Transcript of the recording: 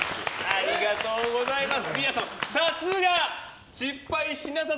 ありがとうございます。